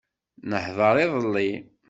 Nehḍeṛ idelli.